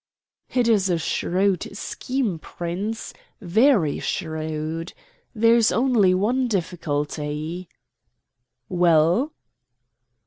"It is a shrewd scheme, Prince, very shrewd. There is only one difficulty." "Well?"